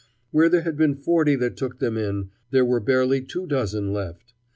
Where there had been forty that took them in, there were barely two dozen left.